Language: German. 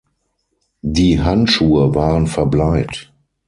Die Handschuhe waren verbleit.